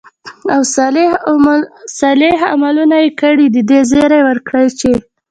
او صالح عملونه ئې كړي، د دې زېرى وركړه چې: